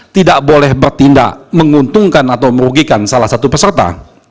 tidak boleh bertindak menguntungkan atau merugikan salah satu peserta